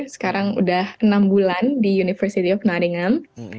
sekarang udah enam bulan di university of nottingham